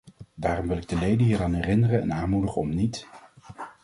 Daarom wil ik de leden hieraan herinneren en aanmoedigen om niet ...